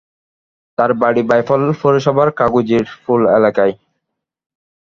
তাঁর বাড়ি বাউফল পৌরসভার কাগুজিরপুল এলাকায়।